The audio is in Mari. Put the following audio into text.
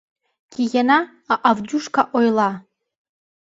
Киена, а Авдюшка ойла: